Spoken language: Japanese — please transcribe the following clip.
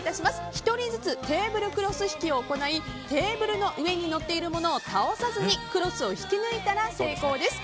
１人ずつテーブルクロス引きを行いテーブルの上に載っているものを倒さずにクロスを引き抜いたら成功です。